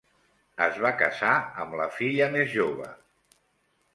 Es va casar amb la filla més jove.